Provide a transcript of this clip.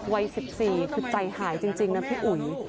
วัย๑๔คือใจหายจริงนะพี่อุ๋ย